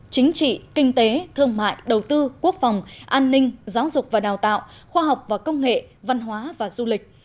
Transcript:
chính trị kinh tế thương mại đầu tư quốc phòng an ninh giáo dục và đào tạo khoa học và công nghệ văn hóa và du lịch